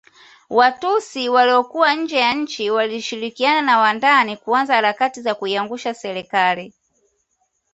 Watutsi waliokuwa nje ya nchi walishirikiana na wa ndani kuanza harakati za kuiangusha Serikali